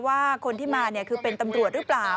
ว่าคนที่มาคือเป็นตำรวจหรือเปล่า